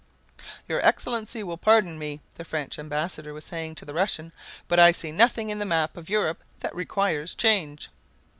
"Your Excellency will pardon me," the French Ambassador was saying to the Russian, "but I see nothing in the map of Europe that requires change.